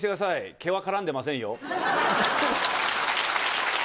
毛は絡んでませんよ。